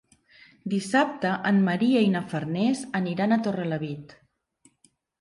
Dissabte en Maria i na Farners aniran a Torrelavit.